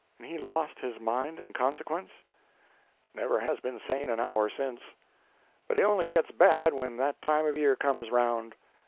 "And he lost his mind in consequence?" "Never has been sane an hour since. But he only gets bad when that time of year comes round.